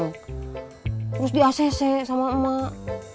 terus di acc sama emak